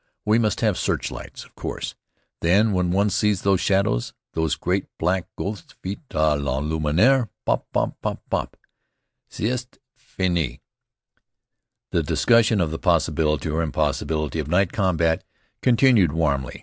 We must have searchlights, of course; then, when one sees those shadows, those great black Gothas, vite! la lumière! Pop pop pop pop pop! C'est fini!" The discussion of the possibility or impossibility of night combat continued warmly.